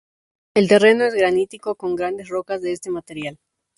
El terreno es granítico con grandes rocas de este material.